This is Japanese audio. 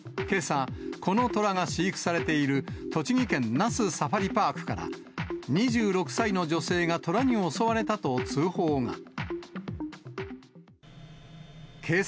けさ、このトラが飼育されている栃木県那須サファリパークから、２６歳の女性がトラに襲われたと通報が。